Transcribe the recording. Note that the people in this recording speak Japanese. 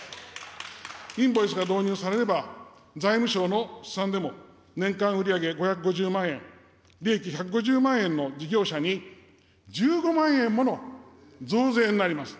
インボイスが導入されれば財務省の試算でも年間売り上げ５５０万円、利益１５０万円の事業者に１５万円もの増税になります。